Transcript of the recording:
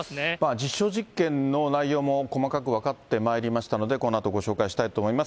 実証実験の内容も細かく分かってまいりましたので、このあとご紹介したいと思います。